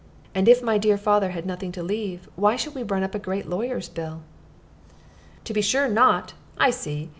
And if my dear father had nothing to leave, why should we run up a great lawyer's bill?" "To be sure not! I see.